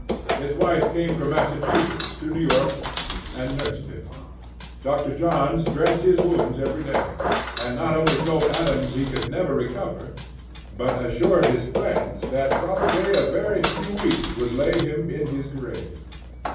His wife came from Massachusetts to New York, and nursed him. Dr. Johns dressed his wounds every day, and not only told Adams he could never recover, but assured his friends that probably a very few weeks would lay him in his grave.